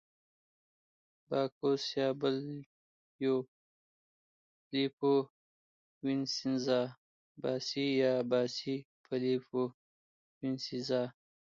باکوس یا بل یو، فلیپو وینسینزا، باسي یا باسي فلیپو وینسینزا.